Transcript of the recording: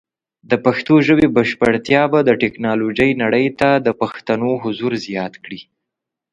د پښتو ژبې بشپړتیا به د ټیکنالوجۍ نړۍ ته د پښتنو حضور زیات کړي.